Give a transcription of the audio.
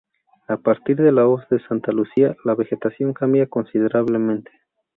A partir de la hoz de Santa Lucía la vegetación cambia considerablemente.